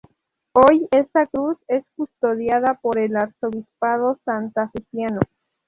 Hoy esta cruz es custodiada por el arzobispado santafesino.